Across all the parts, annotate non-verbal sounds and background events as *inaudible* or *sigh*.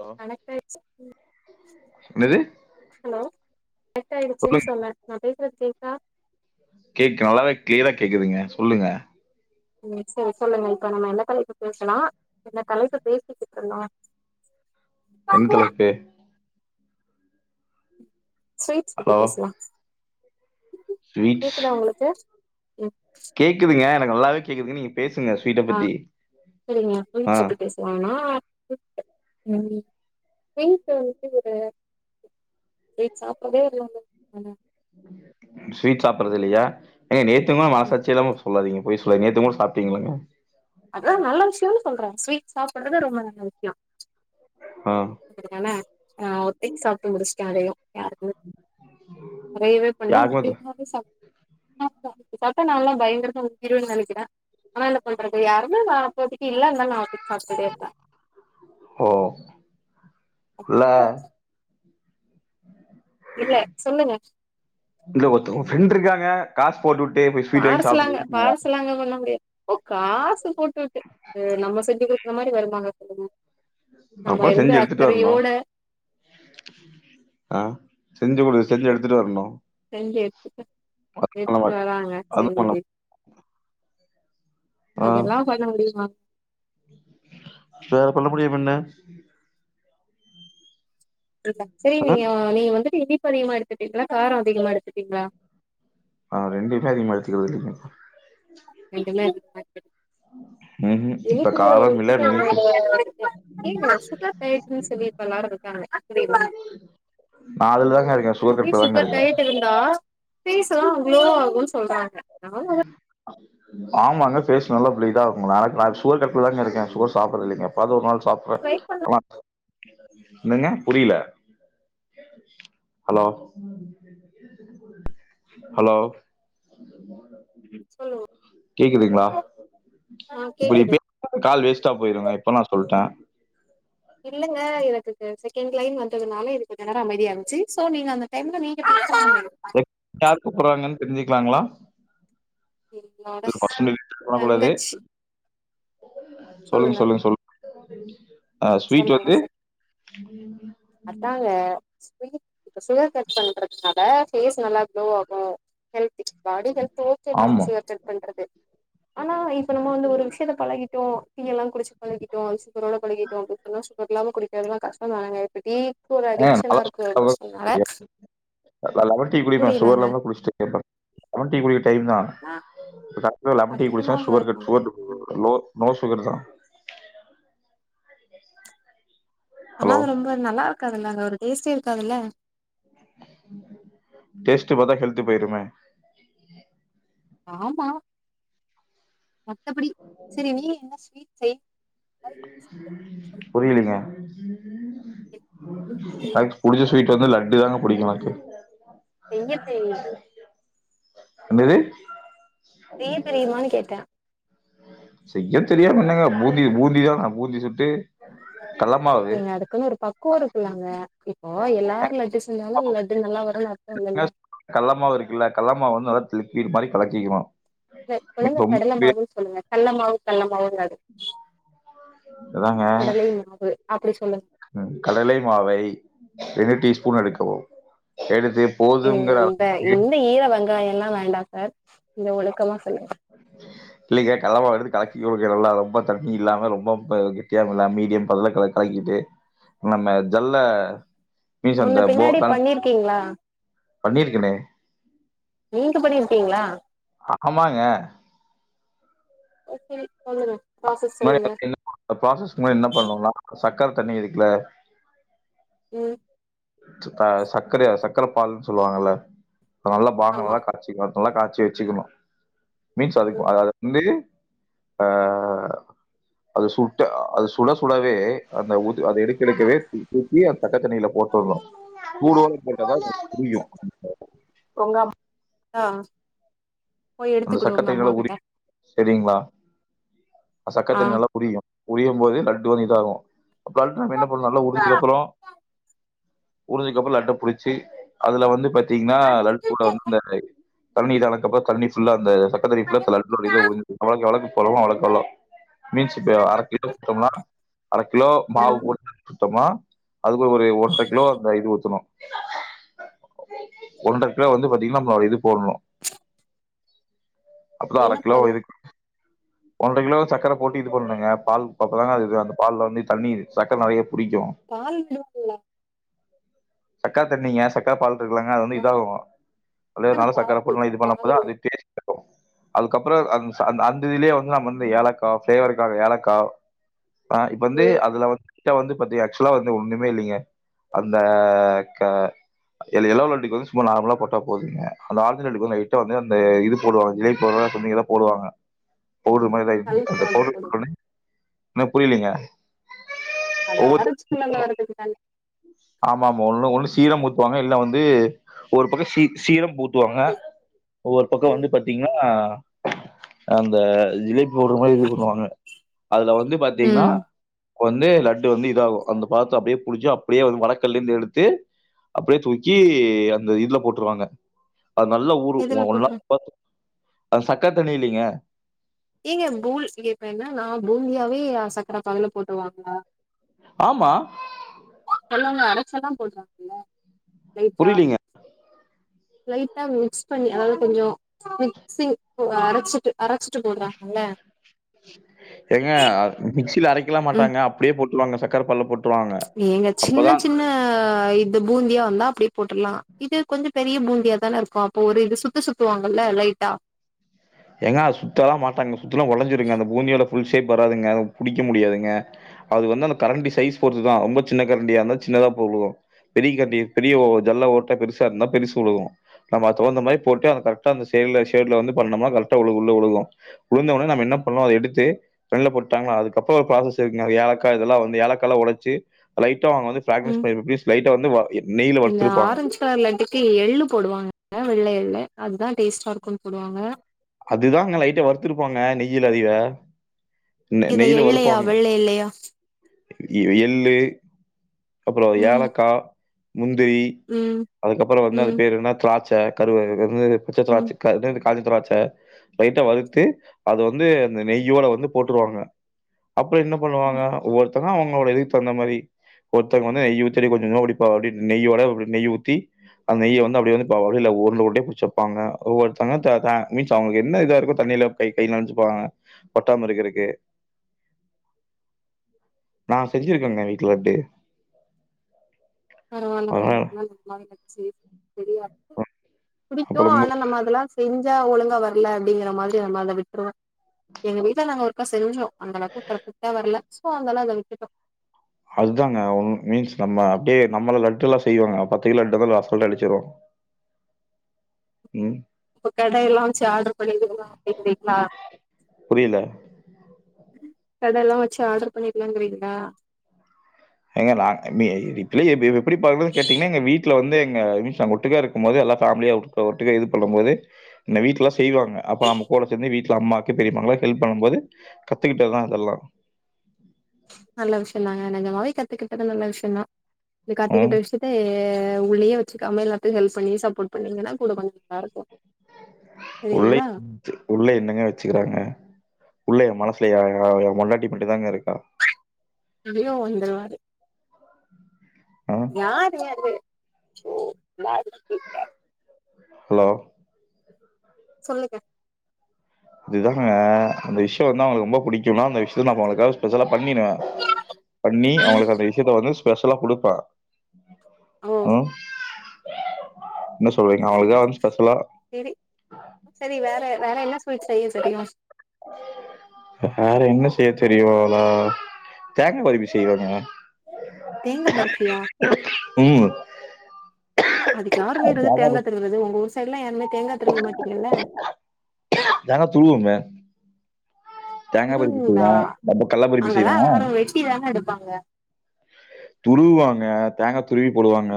Hello connect ஆய்டுச்சி என்னது hello connect ஆயிடுச்சின் சொல்லுங்க சொன்ன நா பேசுறது கேக் கேக் நல்லாவே க்ளியரா கேக்குதுங்க சொல்லுங்க ம் செரி சொல்லுங்க இப்ப நம்ம என்ன தலைப்பு பேசலா இந்த தலைப்பு பேசிக்கிட்டு இருந்தோல என்ன தலைப்பு ஸ்வீட்ஸ் பத்தி ஹலோ பேஸ்லா ஸ்வீட்ஸ் கேக்குதா உங்களுக்கு ம் கேக்குதுங்க நல்லாவே கேக்குதுங்க நீ ஆஹ் சரிங்க ஆ *unintelligible* *unintelligible* ஸ்வீட் சாப்படுறது இல்லையா ஏ நேத்துங்களும் ம் மானசாச்சியே இல்லாமல் சொல்லாதீங்க போய்சுல நேத்து கூட சாப்பிட்டீங்களாங்க அதான் நல்ல விஷயனு சொல்றேன் ஸ்வீட் சாப்படுறது ரொம்ப நல்ல விஷயம் ஆ அான ஆ ஒத்தைக்கு சாப்ட்டு முடிச்சுட்டேன் அதையும் யாருக்கு நிறையவே பண்ணி யாருக்குமே தெ *unintelligible* சாப் *unintelligible* சத்தா நான் எல்லாம் பயங்கரமா *unintelligible* ஆனா என்ன பண்றது யாருமேஅப்பத்தக்கு இல்லா நான் சாப்டுடேருப்ப ஓ *unintelligible* இல்ல சொல்லுங்க இல்ல ஒருத்த உங்க ஃப்ரெண்ட் இருக்காங்க காஸ்ட் பார்சலாங்க பார்சலாங்க பண்ண முடியா ஓ காசு போட்டுவிட்டு நம்ம செஞ்ச கொ அந்த மாரி வருமாங்க சொல்லுங்க நம்ம அப்போ இருந்து செஞ்சு எடுத்துட்டு வரணு அக்கறையோட ஆ செஞ்சு கொடு செஞ்சு எடுத்துட்டு வரணும் செஞ்சு எடுத்துட்டு அது பண்ண எடுத்துட்டு மாட் வராங்க அது பண்ண செஞ்சி மாட்டேன். ஆ அதெல்லாம் பண்ண முடியுமா வேற பன்ன முடியு *unintelligible* சரி ஆ நீங்க நீங்க வந்துட்டு இ இனிப்பு அதிகமா எடுத்துட்டீங்ளா காரம் அதிகமா எடுத்துட்டீங்ளா ஆஹ் ரெண்டுமே அதிகமா எடுத்துக்குறது இல்லிங்க *unintelligible* *unintelligible* *unintelligible* ம்ஹும் இப்ப காரம் இல்ல நெல்லிப்பு *unintelligible* நா அதுலதாங்க இருக்கே ரொம்ப பேர் கட்ல தாங்க சுகர் இருக்கே டயட் இருந்தா ஃபீஸ்லா அவ்ளோ ஆகுனு சொல்றாங்க நாம உம் ஆமாங்க பேஸ் நல்ல பள இதான் நான் சுகர் கட்லதா இருக்கேன் சுக சாப்பிடற இல்லிங்க எப்பாவது ஒரு நாள் சாப்பறேன் ட்ரை ஆ என்னங்க புரியல ஹலோ ஹலோ பண்ணி சொல்லுவோ கேக்குதுங்களா ஆ கேக்குது இப்படிப்ப கால் வேஸ்டா போயிருங்க இப்ப நான் சொல்லிட்டேன் இல்லங்க இதுக்கு செகண்ட் லைன் வந்ததுனால இதுக்கு கொஞ்சநேர அமைதி யா இருன்ச்சு சோ நீங்க அந்த டைம்ல நீ *unintelligible* யாரு கூப்புறாங்க தெரிஞ்சிக்கலாங்களா என்னோட *unintelligible* குள்ளது தங்கச்சி சொல்லுங்க சொல்லுங்க சொல்லு *inaudible* ம் சொல்லுங்க சர் அதாங்க ஆக்சுலி இப்ப சுகர் கட் பண்றதுனால ஃபேஸ் நல்லா க்ளோ ஆகு ஹெல்த் பாடி ஹெல்த் ஓகேதா ஆமா சுகர் கட் பண்றது ஆனா இப்ப நம்ம வந்து ஒரு விஷயத்த பழகிட்டோ டீயல்லா குடிச்சு பழகி ட்டோ சுகரோட பழகிட்டோ இப்பனா சுகரில்லாம குடிக்கிறதுனா கஷ்டந்தானங்க ஆ பழக பழக கொசனால சரியா போயிரு நா லெமன் டீ குடிப்ப சுகர் புரியலங்க இல்லாமதா குடிச்சிட்ருக்க இப்ப லெமன் டீ குடிக்கற டைம்தா நா இப்பதா லெமன் டீ குடிச்சனா sugar cut sugar low no சுகர்தா ஆனா ஹலோ அது ரொம்ப நல்லாருக் காதுல்லங்க ஒரு டேஸ்ட்டே இருக்காதுல்ல டேஸ்ட் பாத்தா ஹெல்த்து போயிருமே ஆமா எப்பிடி செரி நீ என்ன ஸ்வீட் செய் புரியலிங்க எனக்கு புடிச்ச ஸ்வீட் வந்து லட்டு தாங்க பிடிக்கு எனக்கு செய்ய தெரியு என்னது செய்ய தெரியுமானு கேட்ட செய்ய தெரியாம என்னங்க பூந்தி பூந்திதான பூந்தி சுட்டு கடலமாவு ஏங்க அதுக்குனு ஒரு பக்குவ இருக்குல்லங்க இப்போ எல்லாரு லட்டு செஞ்சாலு லட்டு நல்லா வருன்னு அர்த்த இல்லல்ல கடலமாவு இருக்குல்ல கடலமாவு வந்து நல்லா லிக்விட் மாரி கலக்கிக்கனு இல்ல ஒழுங்கா கடலமாவுன் சொல்லுங்க கல்லமாவு கல்லமாவு அதாங்க கடலை மாவு அப்டி சொல்லுங்க கடலை மாவை ரெண்டு டீஸ் பூன் எடுக்கவும் எடுத்து இல்லிங்க போதுங்கிற இங்க அளவுக்கு இந்த ஈர வெங் காய எல்லா வேண்டா சார் இந்த ஒழுக்கலா இல்லிங்க கல்லமாவ எடுத்து கலக்கிகோங்க நல்லா ரொம்ப தண்ணி இல்லாம ரொம்போ கெட்டியாவு இல்லாம மீடியம் பதுல க கலக்கிட்டு நம்ம ஜல்ல மீன்ஸ் முன்ன அந்த போ பின்னாடி தன் பண்ணிருக்கிங்ளா பண்ணிருக்கனே நீங்க பண்ணிருக்கீங்ளா ஆ ஆமாங்க ஓகே சொல்லுங்க ப்ராசஸ் முன்னாடி சொல்லுங்க பாத்தீங்கன்னா இந்த ப்ரோஸ்ஸஸ் முன்னாடி என்ன பண்ணணுணா சக்கர தண்ணி இருக்குல உம் த்த அ சக்கரயா சக்கர பாகனு சொல்வாங்கல நல்லா பாக ஆமா நல்லா காச்சிக்கோ நல்லா காச்சி வச்சுக்குணும் மீன்ஸ் ம் அதுக்கும் அதவுது வந்து அ அது சுட்டு அது சுட சுடவே அந்த அத எடுக்க எடுக்கவே திருப்பி அத பச்ச தண்ணில சொல்னு சூடோட இருக்கிறதா உங்களுக்கு புரியும் உங்க அம் ஆ போய் எடுத்துக்குடு உங்க அம்மா கிட்ட செரிங்லா அந்த சக்கர ஆ தண்ணி நல்லா புரியும் புரியும் போது நட்டு வந்து இதாகும் கல்ட்டுன அப்பறோ என்ன பண்ணணும் நல்லா உரிஞ்சதுக்கு அப்புறோ உரிஞ்சதுக்கு அப்றோ லட்ட புடிச்சு அதுல வந்து பத்தி பாத்திங்னா லட்டு கூட வந்து இந்த கை தண்ணி இதனத்துக்கு அப்றோ தண்ணி ஃபுல்லா அந்த தக்க தரிப்புல கலட்டு உள்ளில ஒலிஞ்சது வலகு வலகு குழமம் அவுலுக்கில்ல மீன் சிப்ப அர கிலோ குடுத்தோம்னா அர கிலோ மாவு ம் கூட்ட அதுக்கு ஒரு ஒன்ற கிலோ அந்த இது ஊத்தணும் ஒன்றர கிலோ வந்து பாத்தீங்கனா நம்ம இது போடணும் *unintelligible* அப்ப தா அரை என்ன கிலோ போடணு இதுக்கு ஒன்ற கிலோ சக்கர போட்டு இது பண்ணணுங்க பால்க்கு அப்றோ தாங்க அந்த இது அந்த பால் வந்து தண்ணீரு சக்கர நெறையா புடிக்கும் பால் விடுவாலா சக்கர தண்ணீங்க சக்கர பால் இருக்காங்க அது வந்து சக்கர இதாகும்னால சக்கரை பாகு பொது இது பண்ணும் பால் இல்ல போது டேஸ்ட் அதுக்கப்புறோ அந் அந்த இதிலேயே வந்து எல்லா வந்து ஏலக்கா பிளேவருக்காக ஏலக்கா சா இப்ப வந்து ம் அதுலா வந்து ட்ட வந்து பாத்தீ ஆக்சுவலா வந்து ஒன்னுமே இல்லைங்க அந்த ஹா க எளோமேட்டிக் பதில் சும்மா நார்மலா போட்டா போதுங்க அந்த ஆல்டர்நேட்டிவ்க்கு பதிலா லைட்டா வந்து அந்த இது போடுவாங்க ஜிலைட் போடுவாங்னு சொனிங்கல்ல போடுவாங்க பவுடர் மாரி கல் *unintelligible* அந்த பவுடர் போட்ட போடுவா ஒட்னே என்ன புரியலங்க அது ஆராய்ச்சி பண்ணலால்ல *unintelligible* ஆமா ஆமா ஒன்னு ஒன்னு சீரம் ஊத்துவாங்க இல்லனா வந்து ஒரு பக்கோ சீ சீரம் ஊத் வாங்க ஒவ்வொரு பக்கோ ம் வந்து பாத்தீங்கன்னா அந் இந்த ஜிலேபி பவுடரு மாரி இருக்குதுன்னு வாங்க அதுல வந்து பாத்தீங்கன்னா ம் ஒன்னு லட்டு வந்து இதாகோ அந்த பாத்த அப்டியே புழுஞ்சி அப்படியே வந்து வடக்கல்ல இருந்து எடுத்து அப்டியே தூக்கி அந்த இதுல போட்ருவாங்க அது நல்ல ஊரு எதுல ஒரு போட்ற ஹவர் பாத்து அ சக்க தண்ணி இல்லைங்க ஏங்க பூந் இங்க இப்ப என்ன நா பூந்தியாவே சக்கரை பகுல போட்ருவாங்களா ஆமா சொல்லுங்க அரைச்சல்லா போடுவாங்கலா லைட்டா புரியலீங்க. லைட்டா மிக்ஸ் பண்ணி அதாவது கொஞ்சோ மிக்சிங் அரைச்சிட்டு அரைச்சிட்டு போடுறாங்கல்ல எங்க மிக்சிங் அரைக்கல மாட்டாங்க அப்டியே போட் வாங்க சக்கர பகுல போட்டு எங்க சின்ன சின்ன இது பூந்தியா வந்தா அப்டி போட்டுல்லா இது கொஞ்சோ பெரிய பூந்தியா தானே இருக்கும் அப்போ ஒரு இது சுத்து சுத்துவாங்கல்ல லைட்டா ஏங்க சுத்தல்லா மாட்டாங்க சுத்துனா ஒடஞ்சிருங்க அந்த பூந்தியோட ஃபுல் ஷேப் வராதுங்க புடிக்க முடியாதுங்க அது வந்து அந்த கரண்டி சைஸ் பொறுதுதா ரொம்ப சின்ன கரண்டியாக இருந்தா சின்னதா போடுவோ பெரிய கரண்டி பெரிய ஜல்ல ஓட்டா பெசா இருந்தா பெருசு உழுகும் நம்ம அது தகுந்த மாதிரி போட்டு அ கரெக்டா அந்த செவவு செவுல வந்து பண்ணோம்னா கரெக் கரெக்டா உழு உள்ள உழுகோ உழுந் ஒண்ணே நம்ம என்ன பண்ணோ அத எடுத்து தண்ல போட்டாங்களா அதுக்கப்றோ ஒரு ப்ராசஸ் இருக்குங்க அது ஏலக்கா இதல்ல வந்து ஏலக்கால்லா ஒடச்சி லைட்டா அவங்க வந்து ஃப்ராக்னஸ் உம் பண்ணி பீஸ் லைட்டா வந்து வ நெய்யில இந்த வறுத்திருப்பாங்க ஆரஞ்சு கலர் லட்டுக்கு எள்ளு போடுவாங்க வெள்ள எள்ளு அத்தா டேஸ்ட இருக்கும் அதுதாங்க லைட்ட வருத்திருப்பாங்க நெய் கிழ வரியா இத எள்ளலையா வெள்ள எள்லையா எ எள்ளு அப்புறோ ம் ஏலக்கா முந்திரி ம் அதுக்கப்புறோ அதுகப்புறோ வந்து அது ம் பேரு என்ன திராட்சி த்த கருவே *unintelligible* வு பச்ச திராட்ச ம் க டுது காஞ்ச திராட்ச லைட்டா வறுத்து அது வந்து அந்த நெய்யோட வந்து போட்ருவாங்க அப்புற என்ன பண்ணுவாங்க ஒவ்வொரு த்தங்ளு அவங்களோட இதுக்கு தகுந்த மாரி ஒருத்தங்க வந்து நெய் ஊத்தி கொஞ்ச கொஞ்சமா புடிப்பாங் அப்டி நெய்யோட நெய் ஊத்தி அந்த நெய்ய வந்து அப்டி வந்து அப்டில உருண்ட உருண்டையா பிடிச்சு வெப்பாங்க ஒவ்வொருத்தங்க த தட் மீன்ஸ் அவங்களுக் என்ன இதா இருக்கோ தண்ணில கை கை நனச்சுப்பாங்க ஒட்டாம இருக்கறக்கு நா செஞ்சிருக்கங்க வீட்ல லட்டு பரவாலங்க அதனால எனக்கெலா நெஜமாவே செய்ய தெரியாது ம் புடிக்கு அப்புறம் மு ஆனா நம்ம அதெல்லா செஞ்சு ச ஒழுங்கா வரல அப்படிங்கிற மாரி நம்ம அத விட்ருவ எங்க வீட்ல நாங்க ஒருக்கா செஞ்சோ அந்தளவுக்கு பர்ஃபக்டா வரல சோ அதனால அத விட் டுட்டோ அதாங்க ஒன் மீன்ஸ் நம்ம அப்படியே நம்மல லட்டெல்லா செய்வாங்க பத்து கிலோ லட்டுலா லாஃப்ட்டோட அடுக்கிருவோ அப்ப கடைல்லா வெச்சு ஆர்டர் பண்ணிர்லா அப்டிங்கிறிங்ளா புரியல. கடெல்லா வச்சு ஆர்டர் பண்ணிடலாங்றிங்ளா ஏங்க நாங் நீ இதெலா எப்படி ப பணறதுன் கேட்டிங்னா எங்க வீட்ல வந்து எங்க மீன்ஸ் நாங்க ஒட்டுக்கா இருக்கும்போது எல்லா ஃபேமிலியா ஒ ஒட்டுக்கா இது பண்ணும் போது இந்த வீட்ல செய்வாங்க அப்ப நம்ம கூட சேந்து வீட்டு அம்மாக்கு பெரிம்மாக்லா ஹெல்ப் பண்ணும் போது கத்துக்கிட்டதா அதெல்லா நல்ல விஷயந்தாங் க நெஜமாவே கத்துக்கிட்டது நல்ல விஷயந்தா இந் ம். கத்துக்கிட்ட விஷயத்த ஏ உள்ளயே வெச்சு க்காக எல்லாத்து ஹெல்ப் பண்ணி சப்போட் பண்ணீங்கன்னா கூட கொஞ் இதா இருக்கு உள்ளை சரிங்களா உள்ள என்னங்க வச்சுக்குறாங்க உள்ள ஏ மனசுல எ ஏ ஏ பொண்டாட்டி மட்டுந்தாங்க இருக்கா *unintelligible* ஆ. யார்ங்க அது ஓ யார் *inaudible* ஹலோ சொல்லுங்க அதுதாங்க அந்த விஷயொ வந்து அவங்களுக்கு ரொம்ப புடிக்குன்னா அந்த விஷயத்த நம்ம அவ்ங்களுக்காக ஸ்பெஷலா பண்ணிர்வ பண்ணி ம். அவ்ங்களுக்கு அந்த விஷயத்த வந்து பெஷலா குடுப்ப ஓ ம் என்ன சொல்றீங்க? செரிங்க அவங்களுக்காக வந்து ஸ்பெஷலா செரி செரி வேற வேற என்ன ஸ்வீட் செய்ய தெரியு வேற என்ன செய் தெரிவாளா தேங்கா பர்பி செய்வனே தேங்க பர்ஃபியா உம் அதுக்கு யாருங்க இருவது தேங்கா திருவுறது உங்க ஊர் சைட்லா யாருமே தேங்காத் தேங்கா துருவோங்க தேங்கா பர்பி திருவுவீங்களா செய்வோ கல்ல பர்பி அங்கெல்லா செய்வோ யாரு வெட்டி தான எடுப்பாங்க துருவ்வாங்க தேங்கா துருவி போடுவாங்க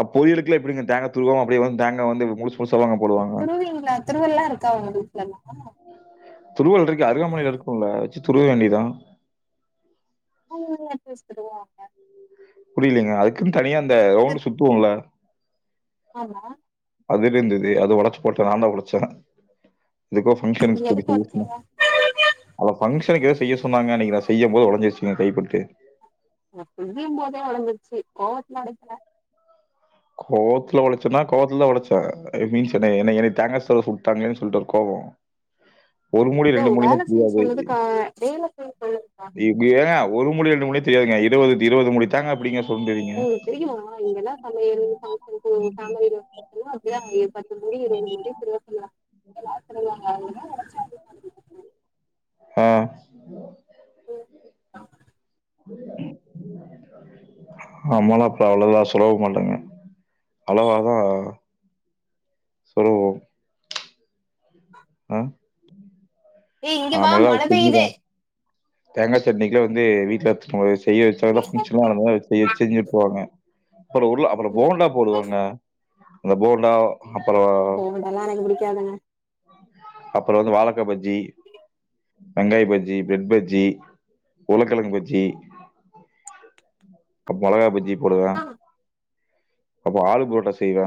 அ பொரியலுக்குலா எப்டிங்க தேங்கா துருவாம அப்டியே வந் தேங்கா வந்து முழுஸ் முழ்சாவாங்க போடுவாங்க திருவுவீங்களா திருவல்லா இருக்கா உங்க வீட்லலா துருவல்ருக்கு அருகாமனைல இருக்குல்ல துருவ வேண்டிதா *inaudible* துருவாங்க புரியலீங்க அதுக்குன் தனியா அந்த ரவுண்டு சுத்துவோல்ல ஆமா அதுருந்துது அது ஒடச்சு போட்ட நாந்தா ஒடச்ச எதுக்கோ ஃபங்க்ஷன் நீ எதுக்கு ஒடச்சீங்க *inaudible* அந்த ஃபங்க்ஷனுக்கு செய்ய சொன்னாங்க அன்னைக்கு நா செய்யம் போது ஒடஞ்சிருச்சுங்க கைப்பட்டு *unintelligible* போதே வளந்துருச்சு கோவத்ல ஒடைக்கல கோவத்துல ஒடச்சன்னா கோவத்துலதா ஒடச்ச மீன்ஸ் என்ன என்ன என்ன தேங்கா *unintelligible* உட்டாங்ளேன் சொல்லிட்டு ஒரு கோவொ யோவ் வேல செய் சொன்னதுக்கா வேல செய் சொன்னதுக்கா ஒரு மூடி ரெண்டு மூடினா தெரியாதுங்க இருவது இருவது மூடி தேங்கா எப்டிங்க சுரண்டுவீங்க? உங்களுக்கு தெரியுமா இங்கெல்லா சமை யல் ஃபங்க்ஷன் பேமிலீல *inaudible* அப்டிதா பத்து மூடி இருவது மூடி துருவ சொல்வாங் எல்லா துருவ்வாங்க அதெல்லா நெனச்சா என்ன பண்ணுவீங்க அ *inaudible* நம்மலா அப்ப அவ்ளதா சுலபொ இல்லைங்க அளவாதா சுலபொ அ ஏ இங்கெ வா மழ பெய்யுது தேங்கா சட்னிக்லா வந்து வீட்ல ஆ செய்ய வச்சாதா பபங்க்ஷன்லா *unintelligible* செஞ்சு உட்ருவாங்க அப்றொ உருள அப்றொ போண்டா ம் போடுவங்க அந்த போண்டா போண்டாலா எனக்கு புடிக்காதுங்க அப்பளொ வந்து வாழக்கா பஜ்ஜி வெங்காய பஜ்ஜி ப்ரட் பஜ் ஜி உர்ளக்கெழங்கு பஜ்ஜி அப் மொளகா பஜ்ஜி போடுவயா அப்போ ஆளு பரோட்டா செய்வே